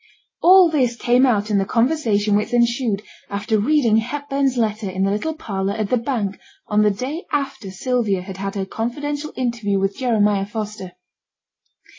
All this came out in the conversation which ensued after reading Hepburn's letter in the little parlour at the bank on the day after Sylvia had had her confidential interview with Jeremiah Foster.